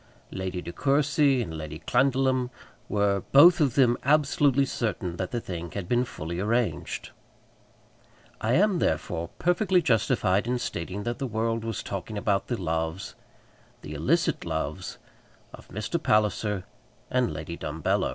Lady De Courcy and Lady Clandidlem were, both of them, absolutely certain that the thing had been fully arranged. I am, therefore, perfectly justified in stating that the world was talking about the loves, the illicit loves, of Mr. Palliser and Lady Dumbello.